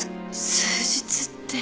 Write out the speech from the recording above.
数日って。